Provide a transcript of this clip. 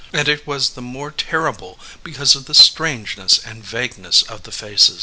And it was the more terrible because of the strangeness and vagueness of the faces.